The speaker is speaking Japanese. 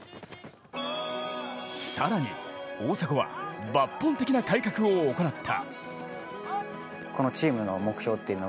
更に、大迫は抜本的な改革を行った。